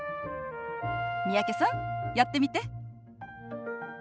三宅さんやってみて。